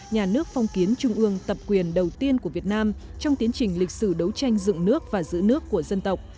nhà nước phong kiến trung ương tập quyền đầu tiên của việt nam trong tiến trình lịch sử đấu tranh dựng nước và giữ nước của dân tộc